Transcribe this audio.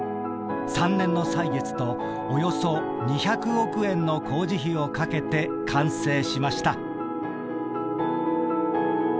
三年の歳月とおよそ２００億円の工事費をかけて完成しました」。